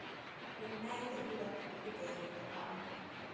Hunaqtraw yuraq pukutay rikakaamun.